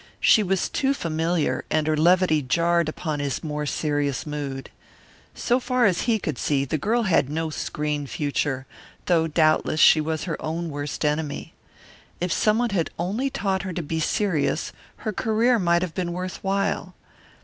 She was too familiar, and her levity jarred upon his more serious mood. So far as he could see, the girl had no screen future, though doubtless she was her own worst enemy. If someone had only taught her to be serious, her career might have been worth while.